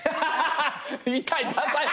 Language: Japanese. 痛いダサい。